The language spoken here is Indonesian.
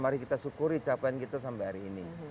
mari kita syukuri capaian kita sampai hari ini